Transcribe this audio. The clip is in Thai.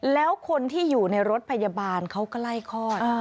แล้วคนที่อยู่ในรถพยาบาลเขาก็ไล่คลอด